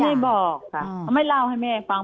ไม่บอกค่ะเขาไม่เล่าให้แม่ฟัง